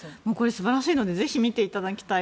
素晴らしいのでぜひ見ていただきたい。